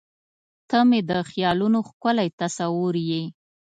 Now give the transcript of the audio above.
• ته مې د خیالونو ښکلی تصور یې.